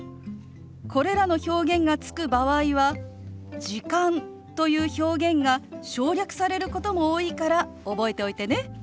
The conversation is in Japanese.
これらの表現がつく場合は「時間」という表現が省略されることも多いから覚えておいてね。